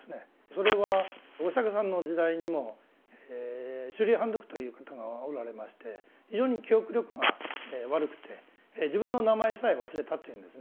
それはお釈さんの時代にも周利槃特という方がおられまして非常に記憶力が悪くて自分の名前さえ忘れたっていうんですね。